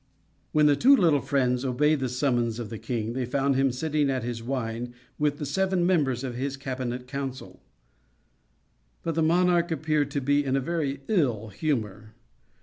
When the two little friends obeyed the summons of the king they found him sitting at his wine with the seven members of his cabinet council; but the monarch appeared to be in a very ill humor.